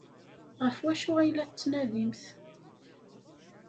Ɣef wacu ay la tettnadimt?